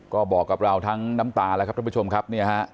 ก็บอกกับเราทั้งน้ำตาแล้วครับท่านผู้ชมครับเนี่ยฮะ